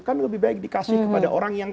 kan lebih baik dikasih kepada orang yang